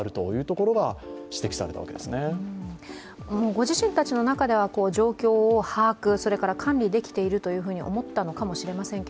ご自身たちの中では状況を把握、それから管理できているというふうに思ったのかもしれませんが